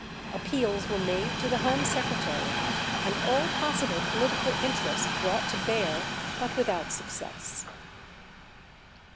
Appeals were made to the Home Secretary, and all possible political interest brought to bear, but without success.